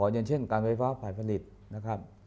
อย่างเช่นการไฟฟ้าฝ่ายผลิตนะครับ